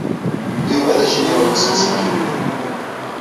Yuba d ajenyuṛ n tsenselkimt.